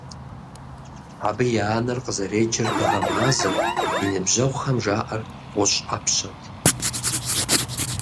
Абы и анэр къызэреджэр Дыгъэ-Мазэт, и ныбжьэгъухэм жаӀэр ГъущӀ Ӏэпщэт!